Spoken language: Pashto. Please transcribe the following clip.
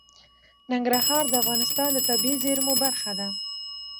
ننګرهار د افغانستان د طبیعي زیرمو برخه ده.